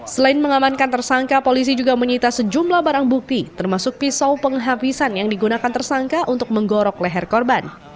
selain mengamankan tersangka polisi juga menyita sejumlah barang bukti termasuk pisau penghabisan yang digunakan tersangka untuk menggorok leher korban